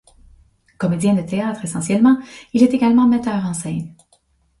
Comédien de théâtre essentiellement, il est également metteur en scène.